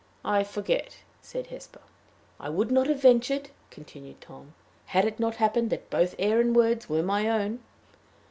"I forget," said Hesper. "I would not have ventured," continued Tom, "had it not happened that both air and words were my own."